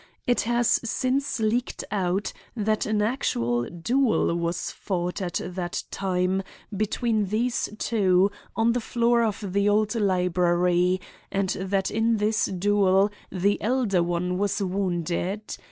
It has since leaked out that an actual duel was fought at that time between these two on the floor of the old library; and that in this duel the elder one was wounded.